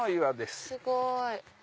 すごい。